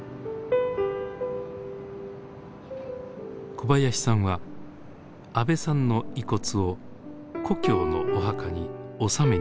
小林さんは阿部さんの遺骨を故郷のお墓に納めに行きました。